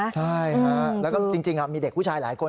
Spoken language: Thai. ใช่ฮะแล้วก็จริงมีเด็กผู้ชายหลายคน